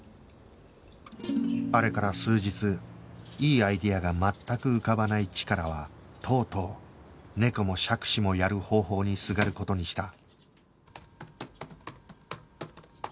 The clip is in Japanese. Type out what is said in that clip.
あれから数日いいアイデアが全く浮かばないチカラはとうとう猫も杓子もやる方法にすがる事にした